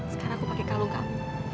sekarang aku pakai kalung kamu